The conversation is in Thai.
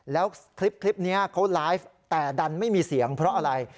แล้วคลิปนี้เขาไลฟ์แต่ดันไม่มีเสียงเพราะอะไร